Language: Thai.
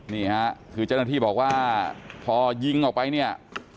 นี่ค่ะคือเจ้าหน้าที่บอกว่าพอยิงออกไปเนี่ย